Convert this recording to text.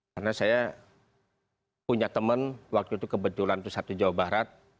karena saya punya teman waktu itu kebetulan itu satu jawa barat